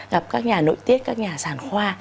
gặp các nhà nội tiết các nhà sản khoa